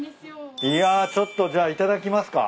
いやちょっとじゃあ頂きますか。